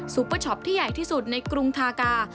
เปอร์ช็อปที่ใหญ่ที่สุดในกรุงทากา